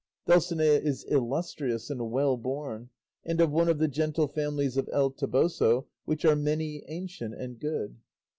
Dulcinea is illustrious and well born, and of one of the gentle families of El Toboso, which are many, ancient, and good.